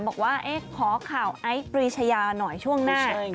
บอกว่าขอข่าวไอซ์ปรีชายาหน่อยช่วงหน้า